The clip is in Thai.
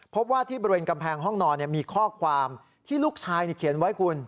พบว่าที่บริเวณกำแพงห้องนอนมีข้อความที่ลูกชายเขียนไว้คุณ